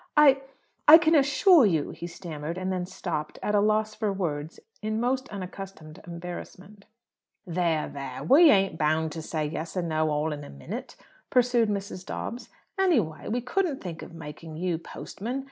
"I I can assure you," he stammered; and then stopped, at a loss for words, in most unaccustomed embarrassment. "There, there, we ain't bound to say yes or no all in a minute," pursued Mrs. Dobbs. "Any way, we couldn't think of making you postman.